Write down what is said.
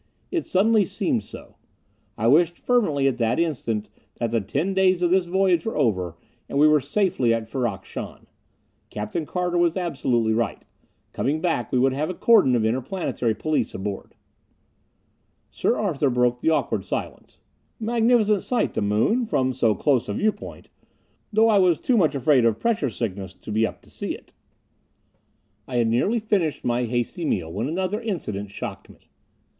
It suddenly seemed so. I wished fervently at that instant that the ten days of this voyage were over and we were safely at Ferrok Shahn. Captain Carter was absolutely right. Coming back we would have a cordon of interplanetary police aboard. Sir Arthur broke the awkward silence. "Magnificent sight, the moon, from so close a viewpoint though I was too much afraid of pressure sickness to be up to see it." I had nearly finished my hasty meal when another incident shocked me.